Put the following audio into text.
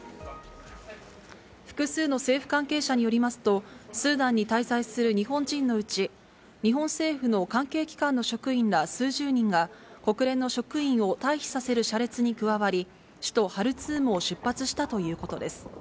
複数の政府関係者によりますと、スーダンに滞在する日本人のうち、日本政府の関係機関の職員ら数十人が国連の職員を退避させる車列に加わり、首都ハルツームを出発したということです。